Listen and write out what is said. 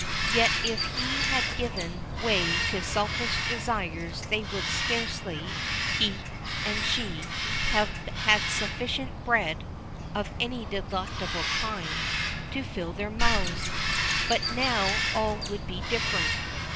Yet if he had given way to selfish desires they would scarcely, he and she, have had sufficient bread (of any delectable kind) to fill their mouths. But now all would be different.